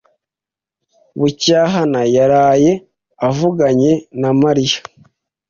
Bucyahana yaraye avuganye na Mariya.